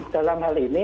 dalam hal ini